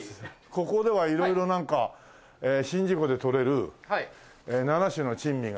ここでは色々なんか宍道湖でとれる７種の珍味が。